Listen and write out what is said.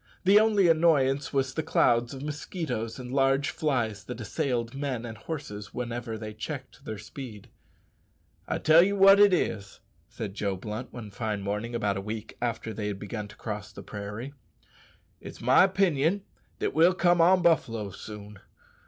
The only annoyance was the clouds of mosquitoes and large flies that assailed men and horses whenever they checked their speed. "I tell ye wot it is," said Joe Blunt, one fine morning about a week after they had begun to cross the prairie, "it's my 'pinion that we'll come on buffaloes soon.